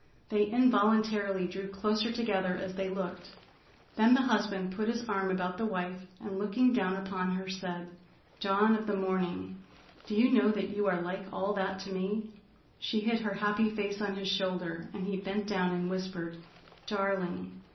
They involuntarily drew closer together as they looked. Then the husband put his arm about the wife and, looking down upon her, said: "Dawn of the Morning, do you know that you are like all that to me?" She hid her happy face on his shoulder, and he bent down and whispered: "Darling!